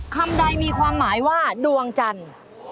คำใดมีความหมายว่าดวงจันทร์